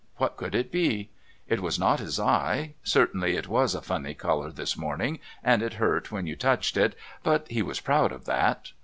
What could it be? It was not his eye certainly it was a funny colour this morning and it hurt when you touched it, but he was proud of that.